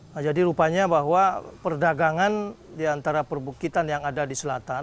nah jadi rupanya bahwa perdagangan di antara perbukitan yang ada di selatan